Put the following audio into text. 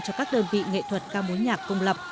cho các đơn vị nghệ thuật cao bối nhạc công lập